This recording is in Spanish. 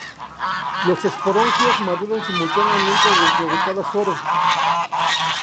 Los esporangios maduran simultáneamente dentro de cada soro.